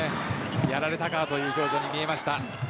やられたかという表情に見えました。